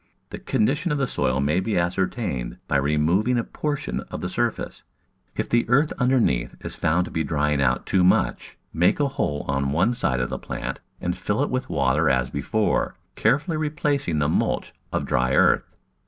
The condition of the soil may be ascertained by removing a portion of the surface. If the earth underneath is found to be drying out too much make a hole on one side of the plant and fill it with water as before, carefully re placing the mulch of dry earth.